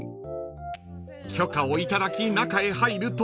［許可を頂き中へ入ると］